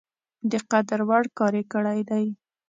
د قدر وړ کار یې کړی دی.